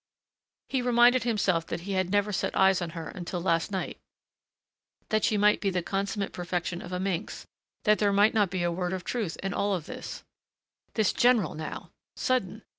He reminded himself that he had never set eyes on her until last night, that she might be the consummate perfection of a minx, that there might not be a word of truth in all of this. This general, now! Sudden.